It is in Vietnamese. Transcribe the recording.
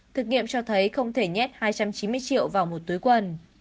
thực nghiệm cho thấy không thể nhét hai trăm chín mươi triệu vào một tuổi